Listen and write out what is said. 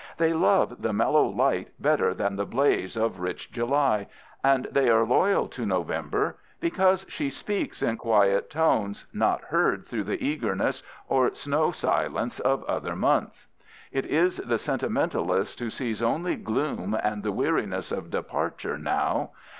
They love the mellow light better than the blaze of rich July, and they are loyal to November because she speaks in quiet tones not heard through the eagerness or snow silence of other months. It is the sentimentalist who sees only gloom and the weariness of departure now.